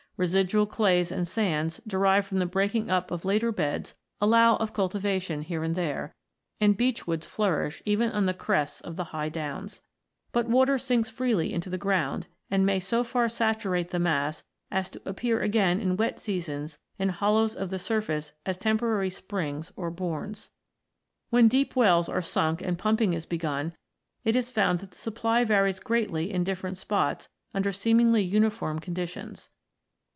Residual clays and sands derived from the breaking up of later beds allow of cultivation here and there, and beechwoods flourish even on the crests of the high downs. But water sinks freely into the ground, and may so far saturate the mass as to appear again in wet seasons in hollows of the surface as temporary springs or " bournes." When deep wells are sunk and pumping is begun, it is found that the supply varies greatly in different spots under seemingly uniform conditions.